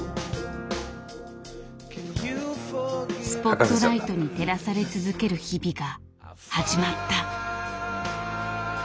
スポットライトに照らされ続ける日々が始まった。